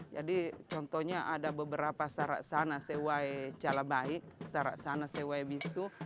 jadi contohnya ada beberapa saraksana sewai calabai saraksana sewai bisu